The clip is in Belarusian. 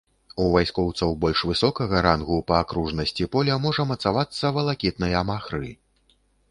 У вайскоўцаў больш высокага рангу па акружнасці поля можа мацавацца валакітныя махры.